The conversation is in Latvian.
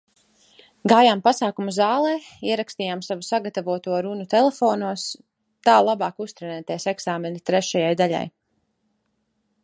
Gājām pasākumu zālē, ierakstījām savu sagatavoto runu telefonos, tā labāk uztrenēties eksāmena trešajai daļai.